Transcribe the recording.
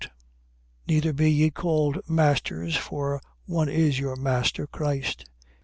Neither be ye called masters: for one is your master, Christ.